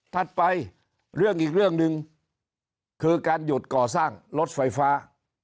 ถัดไปเรื่องอีกเรื่องหนึ่งคือการหยุดก่อสร้างรถไฟฟ้า